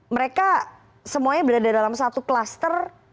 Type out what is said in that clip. mereka semuanya berada dalam satu kluster